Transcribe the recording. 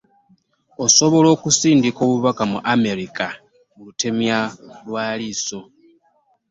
Osobola okusindika obubaka mu Amerika mu lutemya lwa liiso.